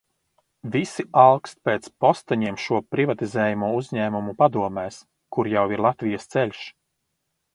"Visi alkst pēc posteņiem šo privatizējamo uzņēmumu padomēs, kur jau ir "Latvijas ceļš"."